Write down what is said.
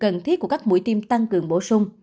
cần thiết của các mũi tiêm tăng cường bổ sung